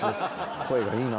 声がいいな。